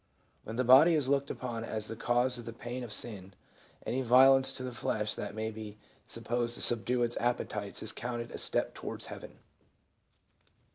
When the body is looked upon as the cause of the pain of sin, any violence to the flesh that may be sup posed to subdue its appetites is counted a step towards heaven.